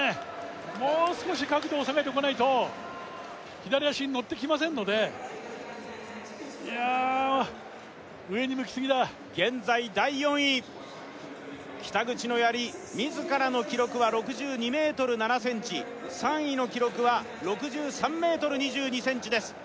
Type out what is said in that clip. もう少し角度を下げておかないと左足にのってきませんのでいや上に向きすぎだ現在第４位北口のやり自らの記録は６２ｍ７ｃｍ３位の記録は６３ｍ２２ｃｍです